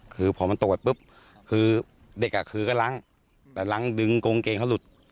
คือพอมันตรวจปุ๊บคือเด็กอ่ะคือก็ล้างแต่ล้างดึงกงเกงเขาหลุด